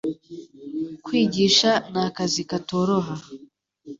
kwigisha ni akazi katoroha